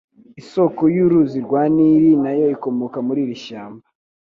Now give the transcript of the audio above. Isoko y'uruzi rwa Nili na yo ikomoka muri iri shyamba.